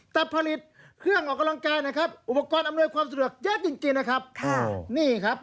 แต่ผลิตเครื่องออกกำลังกายนะครับอุปกรณ์อำนวยความสะดวกเยอะจริงจริงนะครับค่ะนี่ครับ